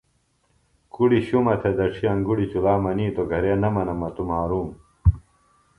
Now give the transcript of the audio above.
کُڑیۡ شُمہ تھےۡ دڇھیۡ انگُڑیۡ چُلا منیتوۡ گھرے نہ منہ مہ توۡ مھارُوم